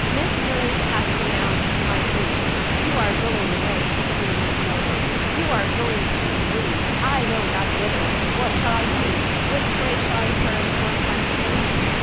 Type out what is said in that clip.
Miss Willis has pronounced my doom you are going away, dear Miss Melford! you are going to be removed, I know not whither! what shall I do? which way shall I turn for consolation?